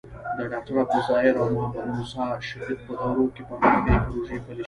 د ډاکټر عبدالظاهر او محمد موسي شفیق په دورو کې پرمختیايي پروژې پلې شوې.